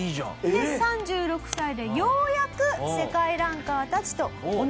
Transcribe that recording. で３６歳でようやく世界ランカーたちと同じ土俵に立つ事ができた。